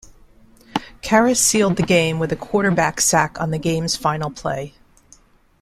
Karras sealed the game with a quarterback sack on the game's final play.